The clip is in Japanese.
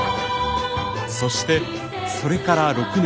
そしてそれから６年。